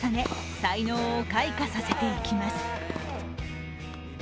才能を開花させていきます。